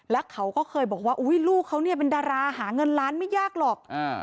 แล้วเขาก็เคยบอกว่าลูกเขาเนี่ยเป็นดาราหาเงินล้านไม่ยากหรอก